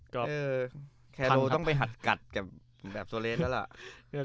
แคโรต้องไปหัดกัดแบบโซเลสแล้วล่ะ